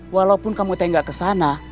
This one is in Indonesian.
walaupun kamu tengah gak ke sana